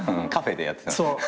カフェでやってた。